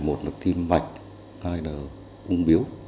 một là tim mạch hai là ung biếu